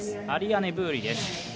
アリアネ・ブーリです。